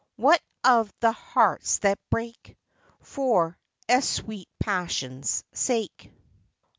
What of the hearts that break For a sweet passion's sake